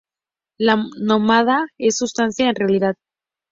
La mónada es sustancia, es realidad.